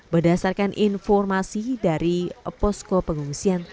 berdasarkan informasi dari posko pengungsian